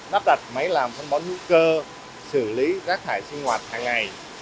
đắp đặt máy làm sân bón hữu cơ xử lý rác thải sinh hoạt hàng ngày